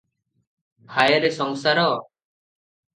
ହାୟରେ ସଂସାର ।